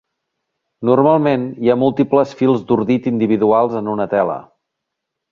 Normalment hi ha múltiples fils d'ordit individuals en una tela.